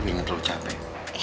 bingung terlalu capek